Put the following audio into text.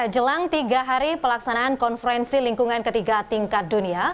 jelang tiga hari pelaksanaan konferensi lingkungan ketiga tingkat dunia